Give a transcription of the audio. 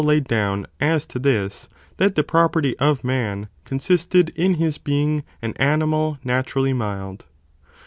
laid down as to this, that the property of man (consisted in his being) an animal naturally mild.